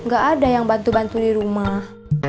gak ada yang bantu bantu di rumah